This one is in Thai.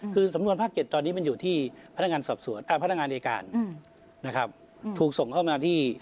คือสำนวนภาคเจ็ดตอนนี้มันอยู่ที่พนักงานอายการนะครับถูกส่งเข้ามาที่